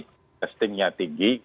karena testingnya tinggi